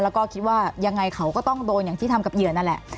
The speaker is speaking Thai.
แล้วก็คิดว่ายังไงเขาก็ต้องโดนอย่างที่ทำกับเหยื่อนั่นแหละ